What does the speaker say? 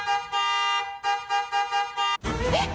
えっ！？